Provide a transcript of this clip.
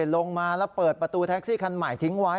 ลงมาแล้วเปิดประตูแท็กซี่คันใหม่ทิ้งไว้